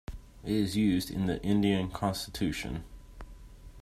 It is used in the Indian Constitution.